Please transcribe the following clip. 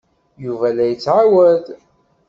Yuba la d-yettɛawad.